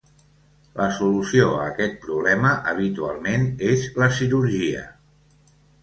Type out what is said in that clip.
La solució a aquest problema habitualment és la cirurgia.